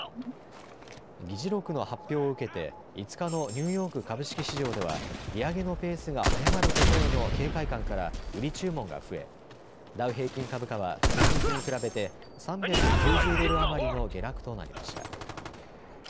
議事録の発表を受けて５日のニューヨーク株式市場では、利上げのペースが速まることへの警戒感から売り注文が増えダウ平均株価は前日に比べて３９０ドル余りの下落となりました。